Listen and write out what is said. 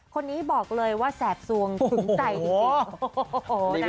คนนี้บอกเลยว่าแสบสวงถึงใจจริง